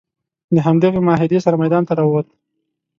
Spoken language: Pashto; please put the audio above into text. د همدغې معاهدې سره میدان ته راووت.